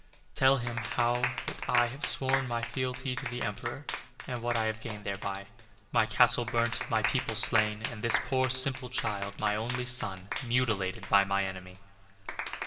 Tell him how that I have sworn fealty to the Emperor, and what I have gained thereby my castle burnt, my people slain, and this poor, simple child, my only son, mutilated by my enemy.